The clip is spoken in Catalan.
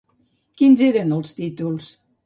Quins eren els títols?